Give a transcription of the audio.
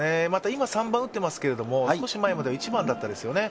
今、３番打ってますけど、少し前までは１番でしたよね。